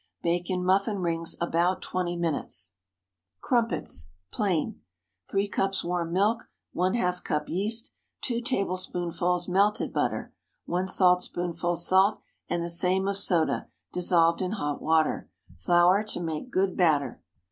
Bake in muffin rings about twenty minutes. CRUMPETS (Plain.) ✠ 3 cups warm milk. ½ cup yeast. 2 tablespoonfuls melted butter. 1 saltspoonful salt, and the same of soda, dissolved in hot water. Flour to make good batter.